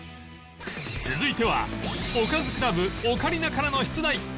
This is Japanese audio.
続いてはおかずクラブオカリナからの出題